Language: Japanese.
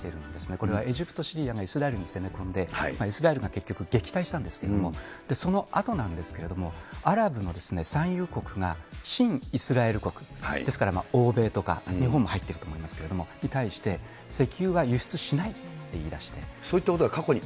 これはエジプト、シリアがイスラエルに攻め込んで、イスラエルが結局、撃退したんですけれども、そのあとなんですけれども、アラブの産油国が、親イスラエル国、ですから欧米とか、日本も入っていると思いますけれども、に対して、そういったことが過去に。